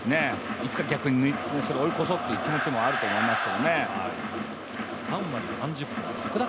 いつか逆に追い越そうという気持ちもあると思いますけどね。